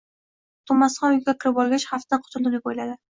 To’masxon uyga kirib olgach, xavfdan qutuldim, deb o’yladi.